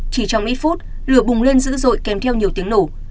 chỉ trong ít phút lửa bùng lên dữ dội kèm theo nhiều tiếng nổ